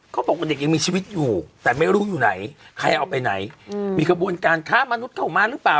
บอกว่าเด็กยังมีชีวิตอยู่แต่ไม่รู้อยู่ไหนใครเอาไปไหนมีขบวนการค้ามนุษย์เข้ามาหรือเปล่า